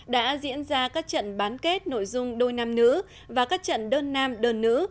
đã diễn ra các trận bán kết nội dung đôi nam nữ và các trận đơn nam đơn nữ